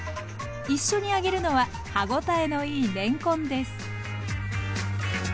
一緒に揚げるのは歯応えのいいれんこんです。